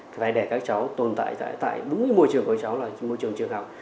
phải để các cháu tồn tại tại đúng như môi trường của các cháu là môi trường trường học